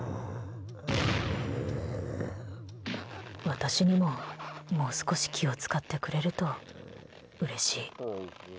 私にも、もう少し気を使ってくれるとうれしい。